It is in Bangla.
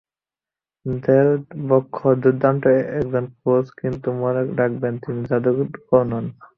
দেল বস্ক দুর্দান্ত একজন কোচ, কিন্তু মনে রাখবেন, তিনি জাদুকর নন।